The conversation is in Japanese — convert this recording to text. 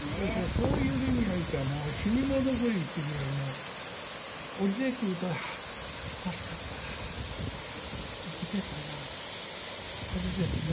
そういう意味においてはもう死に物狂いっていうよりも降りてくると「ああ助かったな生きてたな」ってこれですね。